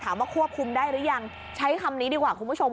ควบคุมได้หรือยังใช้คำนี้ดีกว่าคุณผู้ชม